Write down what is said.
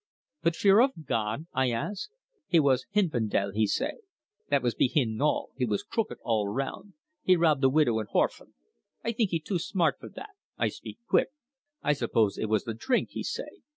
'But fear of God?' I ask. 'He was hinfidel,' he say. 'That was behin' all. He was crooked all roun'. He rob the widow and horphan?' 'I think he too smart for that,' I speak quick. 'I suppose it was the drink,' he say.